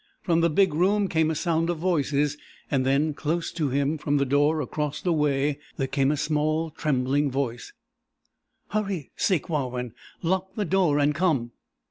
From the big room came a sound of voices and then, close to him, from the door across the way, there came a small trembling voice: "Hurry, Sakewawin! Lock the door and come!"